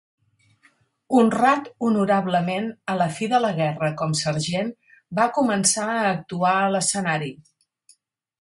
Honrat honorablement a la fi de la guerra com sergent, va començar a actuar a l'escenari.